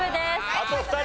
あと２人！